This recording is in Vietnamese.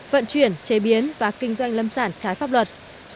vận chuyển chế biến và kinh doanh lâm sản trái pháp luật